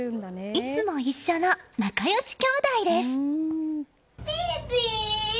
いつも一緒の仲良し姉弟です。